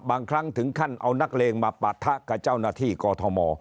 บางครั้งถึงขั้นเอานักเลงมาปะทะกับเจ้าหน้าที่กอทม